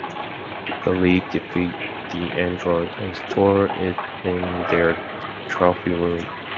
The League defeat the android, and store it in their trophy room.